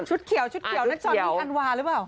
ชุดเขียวชุดเขียวนักจอดมีอันวาห์หรือเปล่า